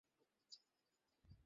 ও বহুবার নিজের ভুয়া মৃত্যু সাজিয়েছে।